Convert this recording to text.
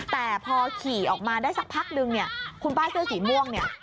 แต่พอขี่ออกมาได้สักพักนึงเนี่ยคุณป้าเสื้อสีม่วงเนี่ย